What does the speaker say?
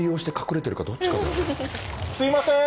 すいません！